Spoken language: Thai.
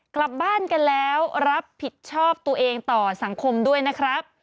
กลับบ้านกันแล้วรับผิดชอบตัวเองต่อสังคมด้วยนะครับ